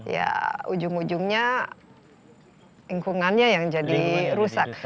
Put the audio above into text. ya ujung ujungnya lingkungannya yang jadi rusak